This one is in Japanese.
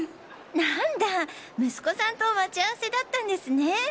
なんだ息子さんと待ち合わせだったんですね。